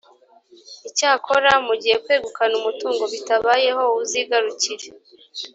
icyakora mu gihe kwegukana umutungo bitabayeho uzigarukire